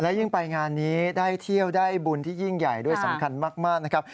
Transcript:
ยิ่งไปงานนี้ได้เที่ยวได้บุญที่ยิ่งใหญ่ด้วยสำคัญมากนะครับ